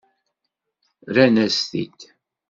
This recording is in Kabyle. Rran-as-t-id.